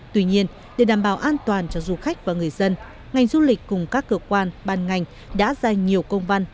tuy nhiên để đảm bảo an toàn cho du khách và người dân ngành du lịch cùng các cơ quan ban ngành đã ra nhiều công văn